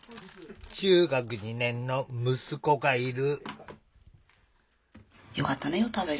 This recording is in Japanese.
中学２年の息子がいる。